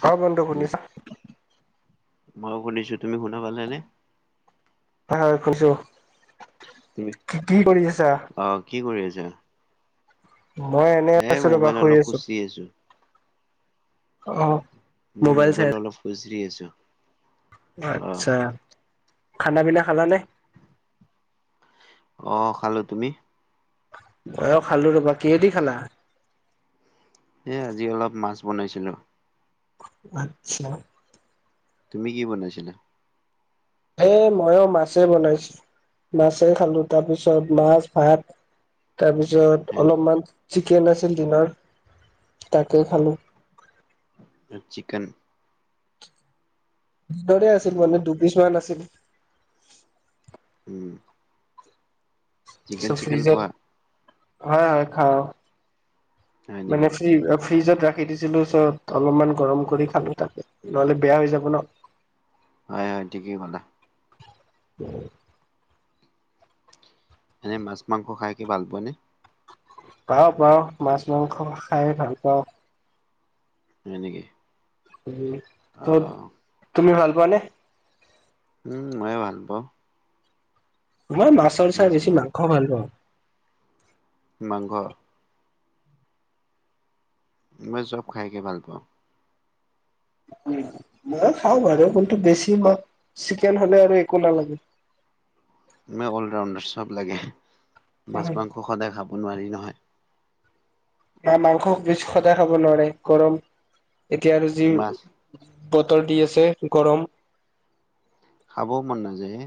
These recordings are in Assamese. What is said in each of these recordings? হয় বন্ধকনিছ মইো শুনিছো তুমি শুনা পালা নে হয় শুৈছো তুমি কি কি কৰি আছা অ কি কৰি আছা মই এনে এ আছো ৰবা মোবাইল শুই অলপ আছো খুচৰি আছো অ। মোৰ মোবাইল অলপ খুজৰি আছোঁ। আচ্ছা। খানা-পিনা খাল নে? অ খালো। তুমি? বয় খালো ৰবা। কিহেদি খালা? এ আজি অলপ মাছ বনাইছিলো। আতছা। তুমি কি বনাইছিলা? হ ময়ো মাছে বনাইছো। মাছে খালো তাৰপিছত মাছ ভাত তাৰপিছত হয় নি অলপমান চিকেন আছিল দিনৰ তাকে খালো। চিকেন দুপৰে আছিল উম মানে দুবিছ মান আছিল। উম। চিকেন চিকেন ফ্ৰিজত খোৱা হয় হয় খাওঁ। হয় নেকি মানে ফ্ৰি ফ্ৰিজত ৰাখি দিছিলো চব অলপমান গৰম কৰি খালো তাকে, নহ'লে বেয়া হৈ যাব না। হয় হয় ঠিকেই কলা। উম। এনে মাছ মাংস খাই কি ভাল পোৱা নে? পাওঁ পাওঁ মাছ-মাংস খাই ভাল পাওঁ। হয় নেকি। উ অ ত তুমি ভাল পোৱানে? উম মইও ভাল পাওঁ। মই মাছৰ চাই বেছি মাংস ভাল পাওঁ। মাংস? মই চব খাইকে ভাল পাওঁ। মই খাওঁ বাৰু কিন্তু বেছি মোক চিকেন হ'লে আৰু একো নালাগে। মই অল ৰাউণ্ডাৰ চব লাগে। মাছ মাংস সদায় খাব নোৱাৰি নহয়। মাংস বেছি সদায় খাব নোৱাৰে গৰম এতিয়া আৰু যি মাছ বতৰ দি আছে গৰম। খাবও মন নাযায় হে।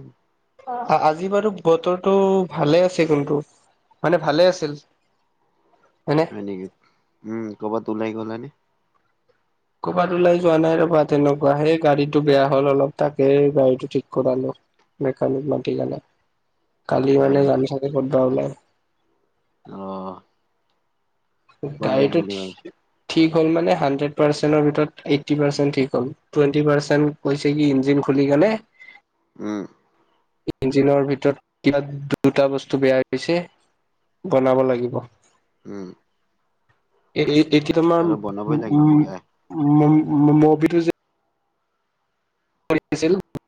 আজি বাৰু বতৰটো ভালে আছে কিন্তু, মানে ভালে আছিল। হয়নে? হয় নেকি। উম কৰ'বাত ওলাই গ'লানে? ক'ৰবাত ওলাই যোৱা নাই ৰবা তেনেকুৱা। সেই গাড়ীটো বেয়া হ'ল অলপ তাকে গাড়ীটো ঠিক কৰালো। বেকানিক মাতি গ'লে। কালি হয় মানে নেকি? যাম চাগে ক'তবা ওলাই। অ। গাড়ীটো ভাবিছা? ঠিক হ'ল মানে, হাড্ৰেড পাৰ্চেন্টৰ ভিতৰত এইটটি পাৰ্চেন্ট ঠিক হ'ল। টুৱেণ্টি পাৰ্চেণ্ট কৈছে কি ইঞ্জিন খুলি কেনে উম। ইঞ্জিনৰ ভিতৰত কিবা দুটা বস্তু বেয়া হৈছে। বনাব লাগিব। উম। এতিয়া তোমাৰ আৰু বনাবই উ লাগিব নেকি? আহ উ মম-ম-মোবাইলটো যে [unintelligible]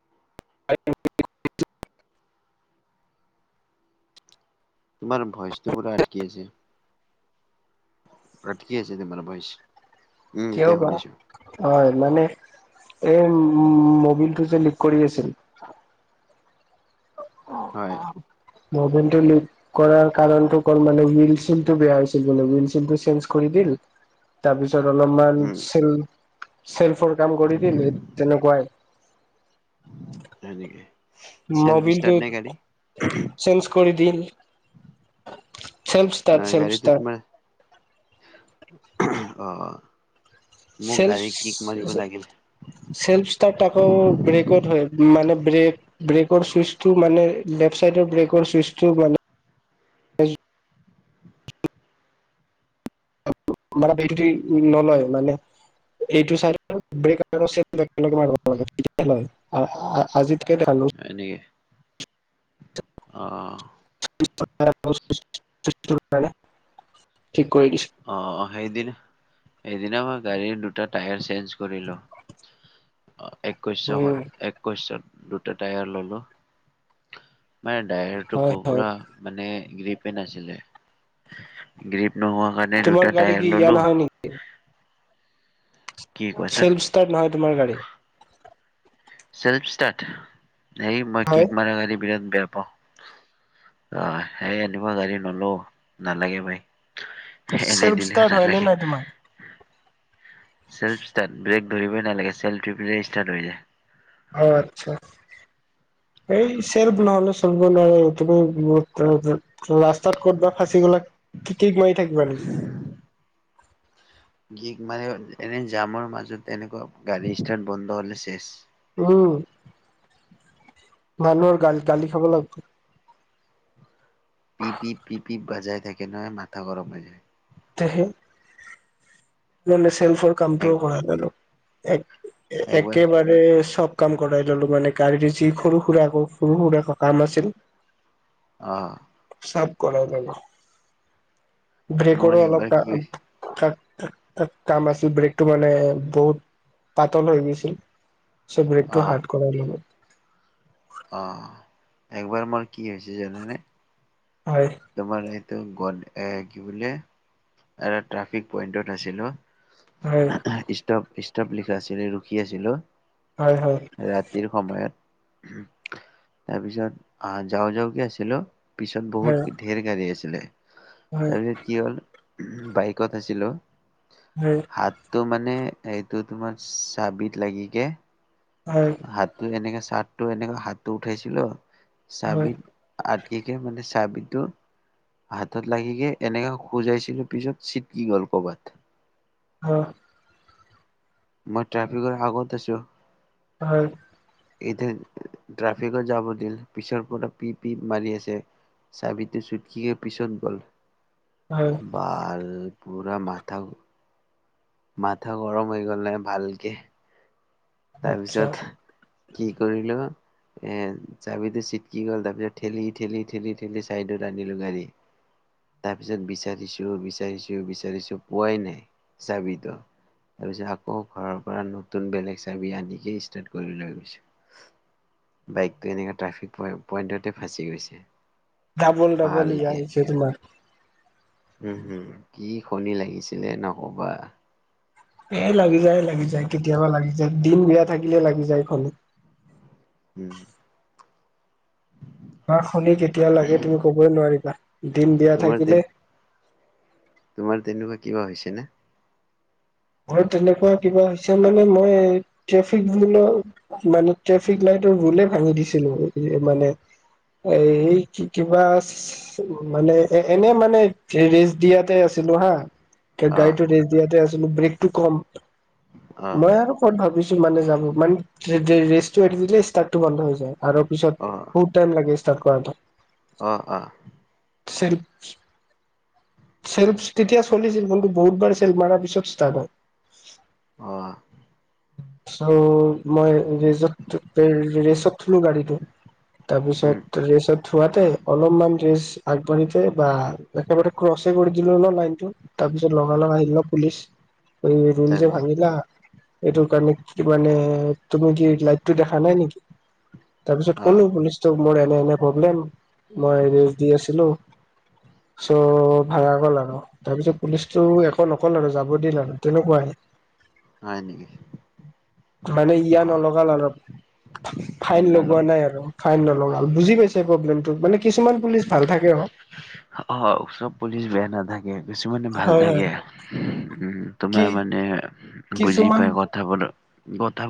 তোমাৰ ভইচটো পুৰা আটকি আছে। আটকি আছে তোমাৰ ভইছ। কিয় বা হয় মানে এই উ মবিলটো যে লিক কৰি আছিল। হয়। মোবাইলটো লিক কৰাৰ কাৰণতটো তৰ মানে হুইল শিলটো বেয়া হৈছিল বোলে। হুইল চিলটটো চেঞ্জ কৰি দিল। তাৰ পিছত অলপমান উম চেল চেল্ফৰ কাম কৰি দিল তেনেকুৱাই হয় নেকি চেল্ফ মবিলটো ষ্টাৰ্ট নে গাড়ী? চেঞ্জ কৰি দি চেলফ ষ্টাৰ নহয় চেলফ গাড়ীটো ষ্টাৰ তোমাৰ অ' মোক গাড়ী কিক মাৰিব লাগিল। [unintelligible] চেল্ফাৰ তাকো ব্ৰেকত হয় মানে ব্ৰেক ব্ৰেকৰ চুইচটো মানে লেফট চাইডৰ ব্ৰেকৰ চুইচটো মান মাৰ বটো নলয় মানে [unintelligible] অ', আজিত কেই খালো হয় নেকি অ' [unintelligible] অ', সেইদিনা সেইদিনা মই গাড়ীৰ দুটা টায়াৰ চেঞ্জ কৰিলো অ', একৈশত উম একৈশত দুটা টায়াৰ ললো মানে ডাইাৰটো হয় হয় পুৰা মানে গ্ৰীপে নাছিলে গ্ৰীপ নোহোৱা কাৰণে তোমাৰ দুটা গাড়ী কি টায়াৰ ইয়া ল'লোঁ নহয় নেকি কি কোৱাচোন চেল্ফ ষ্টাৰ্ট নহয় তোমাৰ গাড়ী এই মই হয় কেক মাৰ গি বিৰাট বেয়া পাওঁ আহ সেই আনিব গাড়ী নলো নালাগে ভাই এনেই চেল্ফ দিলে ষ্টাৰ্ট তাত হয় নে লাগে নাই তোমাৰ? ফ ধৰিবই নাগে্ফ যায় অ', আচ্ছা এই চেৰপ নহ'লে চলিব লটো ৰাস্তাত ক'তব বা ফাঁচি গলা কি কি মাৰি থাকিবা নকি গ মানে এনে জামৰ মাজত এনেকুৱা গাড়ীষ্টানট বন্ধ হলে শেষ উম মানুহৰ গালি গালি খাব লাগিব। পিপি পিপি বাজাই থাকে নহয় মাথা গৰম হৈ যায়। [inaudible] মানে চেল্ফৰ এক কামটোও কৰা জানো একবাৰ একেবাৰে চব কাম কৰাই ললো মানে গাড়ীৰে যি সৰু সুৰা আকৌ সৰু সুৰা কাম আছিল। আহ চফ কৰা যাব মোৰ ব্ৰেকৰো একবাৰ কি হৈছে অলপাক তাত কাম আছিল ব্ৰেক টো মানে বহুত পাতল হৈ গৈছিল চ ব্ৰেক টো অ' হাৰ্ড [inaudible] অ', একবাৰ মোৰ কি হৈছে জানেনে হয়। তোমাৰ এইটো গ এ কি বো এ ট্ৰফিক পইন্টত আছিলো হয় ষ্টভ ষ্টভ লিখা আছিলে ৰখি আছিলো হয় হয়। ৰাতিৰ সময়ত তাৰপিছত আহ যাও যাওঁ কি আছিলো পিছত হয় বহুত ধেৰ গাড়ী আছিলে হয় তাৰপিছ কি হ'ল বাইকত আছিলো হয় হাতটো মানে এইটো তোমাৰ চাবিত লাগগৈ হয়। হাত এনেকে চাৰ্টো এনেকে হাত উঠাইছিলো হয় হয় চাবি আ কেকে মানে চাহ বিধটো হাতত লাগিগে এনেকে খোজাইছিলো পিছত চিটকি গ'ল কৰ'বাত অ' মই ট্ৰেফিকৰ আগত আছোঁ হয়। এতি ট্ৰাফিকৰ জামটিল পিছৰ পৰা পি পি মাৰি আছে। চাবিটো চুটকি পিছত গ'ল। হয়। [inaudible] মাথা গৰম হৈ গ'লে ভালকে। আচ্ছা তাৰপিছত কি কৰিলো এ চাবিতো চিট কি গ'ল তাৰপিছত ঠেলি ঠেলি ঠেলি ঠেলি চাইডত আনিলো গাড়ী। তাৰ পিছত বিচাৰিছো বিচাৰিছো বিচাৰিছো পোৱাই নাই চাবিতো। তাৰ পিছ আকৌ ঘৰৰ পৰা নতুন বেলেগ চাবি আনিকে ষ্টাৰট কৰি লৈ গৈছোঁ। বাইকটো এনেকৈ ট্ৰেফিক পইণ্টতে ফাঁচি গৈছে। ডাবল ডাবল ই ভালকে। যছে তোমাৰ। উম, হম কি শনি লাগিছিলে নকবা। এ লাগি যায় লাগি যায় কেতিয়াবা লাগি যায় দিন বিয়া থাকিলে লাগি যায় শনি। উম। কৰ শনি কেতিয়া লাগে তুমি কবই নোৱাৰিবা দিন বেয়া তোমাৰ তে থাকিলে তোমাৰ তেনেকুৱা কিবা হৈছে না? ম তেনেকুৱা কিবা হৈছে মানে মই ট্ৰেফিক বোৰৰ মানে ট্ৰেফিক লাইটৰ ৰোলে ভাঙি দিছিলো মানে এই কি কিবা আ মানে এ এনে মানে ৰেচ দিয়াতে আছিলো হা। অ' গাড়ীটো ৰেচ দিয়াতে আছিলো ব্ৰেকটো কম অ' মই আৰু ভাবিছো মানে যাব মানে ৰেচটো এৰিদিলে ষ্টাৰ্টো বন্ধ হৈ যায় আৰু পিছত অ' বহুত টাইম লাগে ষ্টাৰট কৰাটো। অ', অ'। চিলফ চেল্ফ তেতিয়া চলিছিল কিন্তু বহুতবাৰ চেল্ফ মৰাৰ পিছত ষ্টাৰ্ট হয়। অ'। চ' মই ৰেচত ৰেচত থলো গাড়ীটো। উম তাৰপিছত ৰেচত থোৱাতে অলপমান ৰেচ আগবাঢ়িতে বা একেবাৰে ক্ৰচ কৰি দিলো ন লাইনটো। তাৰ পিছত লগা লগা আহিল ন পুলিচ এই ৰুল যে তাৰপিছত ভাঙিলা এইটো কাৰনে কি মানে তুমি কি লাইটতটো দেখা নাই নেকি তাৰ পিছত অ' কলো পুলিচ মোৰ এনে এনে প্ৰব্লেম মই দি আছিলো। চ' ভঙা গ'ল আৰু। তাৰ পিছত পুলিচতটো একো নকল আৰু যাব দিল আৰু তেনেকুৱাই। হয় নেকি? মানে ইয় অ' নলগাল আৰু ফাইন লগোৱা নাই আৰু। ফাইন নলগাল বুজি পাইছে প্ৰব্লেমোক মানে কিছুমান পুলিচ ভাল থাকে অ'। অ', চব পুলিচ বেয়া নাথাকে। বেছুমানে ভাল হয় হয় লাগে তোমাৰ কি মানে বুজি কিছুমান পাই ক কোৰ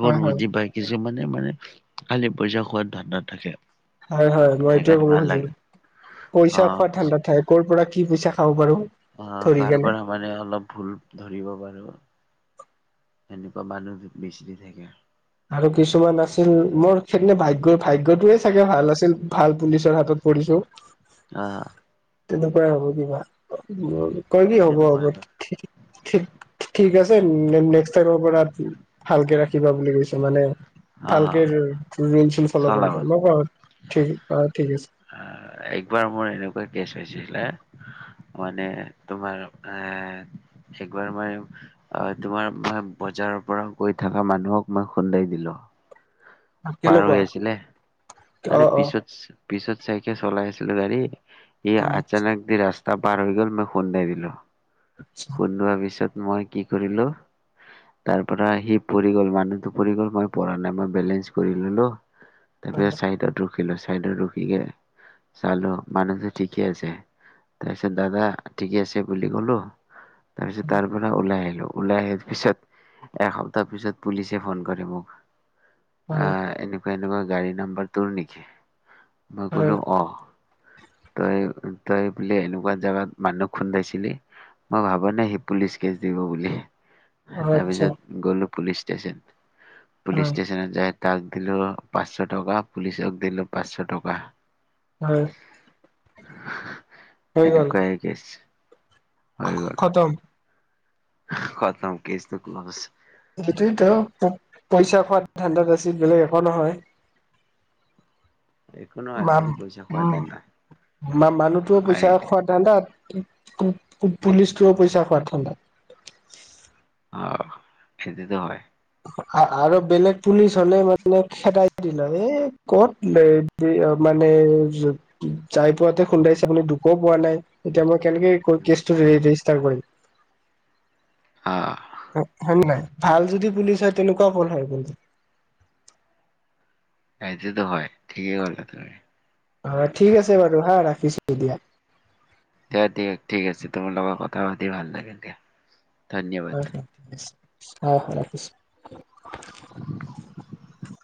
হয় হয় বুজি পায় কিছুমানে মানে খালী পইচা খোৱাত ধান্দা থাকে। হয় হয় মই এইটোৱে সেইকাৰণে কব ভাল খুজো লাগে, পইচা অ', খোৱা পিছে ধাণ্ডা ঠাই কৰৰ পৰা কি পইচা খাব পাৰো। অ', ধৰি কাৰ কেনে পৰা মানে অলপ ভুল ধৰিব পাৰোঁ সেনেকুৱা মানুহ বিচৰি থাকে। আৰু কিছুমান আছিল মোৰ সেইদি ভাগ্য ভাগ্যটোয়ে চাগে ভাল আছিল। ভাল পুলিচৰ হাতত পৰিছো। অঁ'। তেনেকুৱাই হ'ব কিবা কয় কি হ'ব সেইটোতো হ'ব হয় বাৰু, কি ঠিক আছে নেক্স টাইমৰ পৰা ভালকে ৰাখিবা বুলি কৈছে মানে। ভালকে অ', চ ফল কৰি চলাবা। ন ঠিক অ ঠিক আছে অ একবাৰ মোৰ এনেকুৱা কেছ হৈছিলে মানে তোমাৰ এ একবাৰ মই অ তোমাৰ মই বজাৰৰ পৰা গৈ থকা মানুহক মই খুন্দাই দিলো পাৰ হৈ কেনেকুৱা আছিলে অ মানে অ পিছত পিছত চাইকেল চলাই আছিলো [unintelligible] ই আচ্ছা [unintelligible] দি ৰাস্তা পাৰ হৈ গল মই খুন্দাই দিলো আচ্ছা খুন্দোৱাৰ পিছত মই কি কৰিলো তাৰ পৰা সি পৰি গল মানুহতটো পৰি গল মই পৰা নাই মই বেলেঞ্চ কৰিলো তাৰপিছ ছাইডত ৰখিলো ছাইডত ৰখিকে চলো মানুহ যে ঠিকে আছে তাৰপিছত দাদা ঠিকে আছে বুলি কলো তাৰপিছত তাৰ পৰা ওলাই আহিলো ওলাই আহাৰ পিছত এসপ্তাহ পিছত পুলিচে ফোন কৰে মোক হয় আহ এনেকুৱা এনেকুৱা গাড়ী নাম্বাৰ তোৰ নেকি মই হয় কলো অ তই -তই বোলে এনেকুৱা জেগাত মানুহ খুন্দাইছিলি মই ভাব নে সি পুলিচ কেচ দিব বুলি আচ্ছা তাৰপিছত গ'লো পুলিচ ষ্টেচন পুলিচ হয় ষ্টেচন তাত যায় তাক দিলো পাঁচশ টকা পুলিচক দিলো পাঁচশ টকা হয় হৈ গ'ল এনেকুৱাই গেছ হৈ গ'ল খতম খতম কিছটো কেছটো ক্লচ সেইটোযৱেটো প- পইচা খোৱা ধাণ্ডাত আছিল বেলেগ একো নহয় একো নহয় ম খালি পইচা খোৱা উম ধান্দা ম- মানুহতো হয় পইচা এইটো খোৱাদ ঠাণ্ডাত পুলিচটোও পইচা খোৱাত ঠাণ্ডাত অ খেতিটো হয় আৰু বেলেগ পুলিচ হ'লে মানে খেদাই দিলে এ ক'ত [unintelligible] মানে যায় পোৱাতে খুন্দাইছে আপুনি দুখো পোৱা নাই এতিয়া মই কেনেকে কেছটো ৰেজিষ্টাৰ কৰিম। আ হৈ নে নাই ভাল যদি পুলিচ হয় তেনেকুৱা কল হয় এইটোতো হয় ঠিকেই কলা তুমি। অ ঠিক আছে বাৰু হা ৰাখিছো এ দিয়া। [unintelligible] ঠিক আছে তোমাৰ লগত কথা পাতি ভাল লাগে দিয়া। ধন্যবাদ হয় অ হয় ৰাখিছো। [unintelligible]